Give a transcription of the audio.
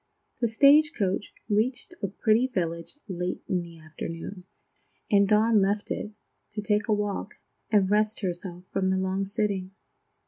The stage coach reached a pretty village late in the afternoon, and Dawn left it, to take a walk and rest herself from the long sitting.